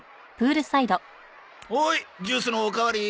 ほいジュースのおかわり。